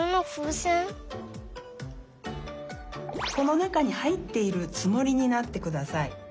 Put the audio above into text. このなかにはいっているつもりになってください。